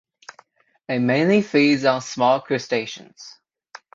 It mainly feeds on small crustaceans.